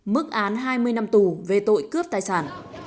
mức án hai mươi năm tù về tội cướp tài sản